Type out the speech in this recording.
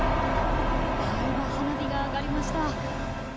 今花火が上がりました。